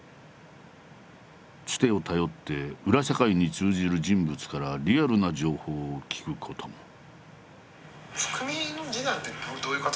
つてを頼って裏社会に通じる人物からリアルな情報を聞くことも。